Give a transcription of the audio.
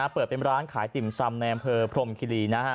เปิดเป็นร้านขายติ่มซำในอำเภอพรมคิรีนะฮะ